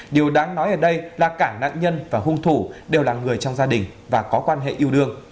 điều đáng nói ở đây là cả nạn nhân và hung thủ đều là người trong gia đình và có quan hệ yêu đương